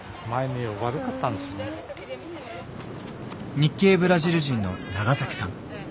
日系ブラジル人のナガサキさん。